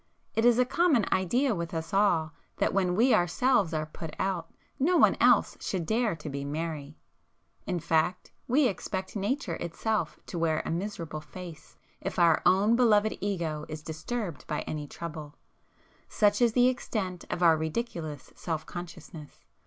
It is a common idea with us all that when we ourselves are put out, no one else should dare to be merry,—in fact we expect Nature itself to wear a miserable face if our own beloved Ego is disturbed by any trouble,—such is the extent of our ridiculous self consciousness.